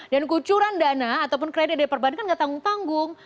dan kucuran dana ataupun kredit dari perbankan gak tanggung tanggung